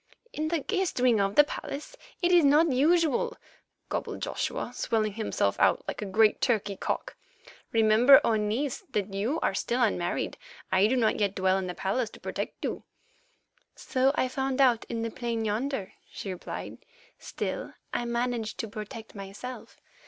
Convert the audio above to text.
"In the guest wing of the palace? It is not usual," gobbled Joshua, swelling himself out like a great turkey cock. "Remember, O niece, that you are still unmarried. I do not yet dwell in the palace to protect you." "So I found out in the plain yonder," she replied; "still, I managed to protect myself.